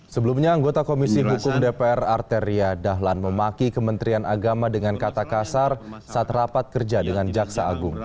sebelumnya anggota komisi hukum dpr arteria dahlan memaki kementerian agama dengan kata kasar saat rapat kerja dengan jaksa agung